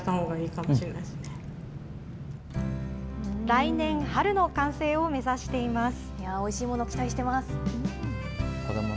来年春の完成を目指しています。